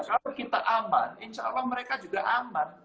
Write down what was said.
kalau kita aman insya allah mereka juga aman